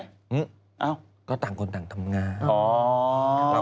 อยากเห็นมากเขายังไม่ได้